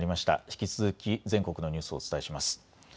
引き続き全国のニュースをお伝えします。